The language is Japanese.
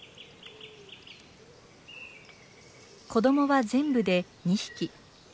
子どもは全部で２匹。